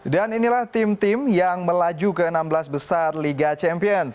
dan inilah tim tim yang melaju ke enam belas besar liga champions